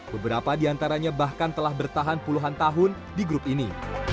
beberapa di antaranya bahkan telah bertahan puluhan tahun di grup ini